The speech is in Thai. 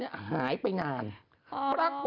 ลีน่าจังลีน่าจังลีน่าจัง